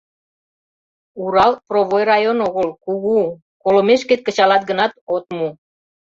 Урал Провой район огыл, кугу, колымешкет кычалат гынат, от му».